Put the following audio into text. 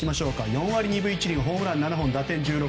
４割２分４厘でホームラン７本、打点１６。